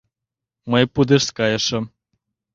Мый пудешт кайышым.